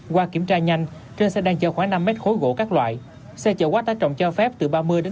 qua kiểm tra nhanh trên xe đang chở khoảng năm mét khối gỗ các loại xe chở quá tải trọng cho phép từ ba mươi năm mươi